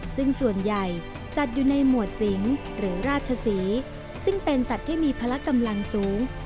ซึ่งส่วนใหญ่จัดอยู่ในหมวดสิงหรือราชศรีซึ่งเป็นสัตว์ที่มีพละกำลังสูง